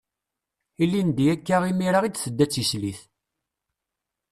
Ilindi akka imira i d-tedda d tislit.